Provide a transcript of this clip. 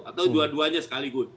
atau dua duanya sekaligus